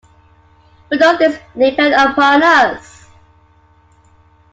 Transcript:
But does this depend upon us?